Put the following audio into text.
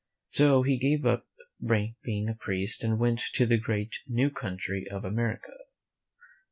So he gave up being a priest and went to the great, new country of America.